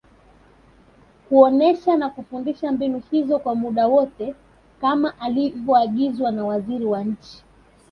kuonesha na kufundisha mbinu hizo kwa muda wote kama ilivyoagizwa na Waziri wa Nchi